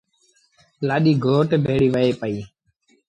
لآڏيٚ گھوٽ ڀيڙيٚ وهي پئيٚ۔